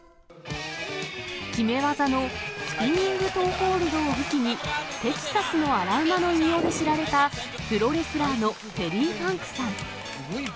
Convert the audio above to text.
決め技のスピニングトーホールドを武器に、テキサスの荒馬の異名で知られたプロレスラーのテリー・ファンクさん。